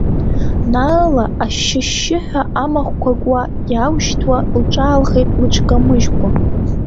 Наала ашьшьы-шьшьыҳәа, амахәқәа куа, иаушьҭуа лҿаалхеит лыҽкамыжькәа.